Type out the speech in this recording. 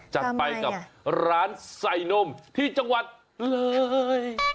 จัดไปกับร้านใส่นมที่จังหวัดเลย